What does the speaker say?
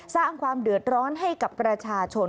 สร้างความเดือดร้อนให้กับประชาชน